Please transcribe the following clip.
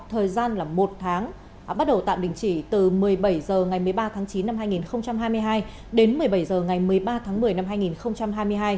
thời gian là một tháng bắt đầu tạm đình chỉ từ một mươi bảy h ngày một mươi ba tháng chín năm hai nghìn hai mươi hai đến một mươi bảy h ngày một mươi ba tháng một mươi năm hai nghìn hai mươi hai